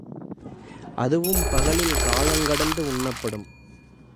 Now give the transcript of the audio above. அதுவும் பகலில் காலங் கடந்து உண்ணப்படும்.